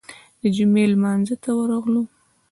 د جمعې لمانځه ته ورغلو.